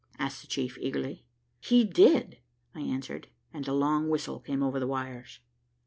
asked the chief eagerly. "He did," I answered, and a long whistle came over the wires.